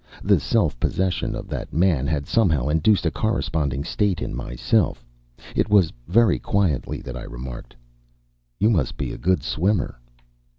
The self possession of that man had somehow induced a corresponding state in myself. It was very quietly that I remarked: "You must be a good swimmer."